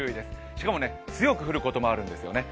しかも、強く降ることもあるんですよね。